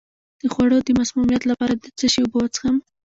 د خوړو د مسمومیت لپاره د څه شي اوبه وڅښم؟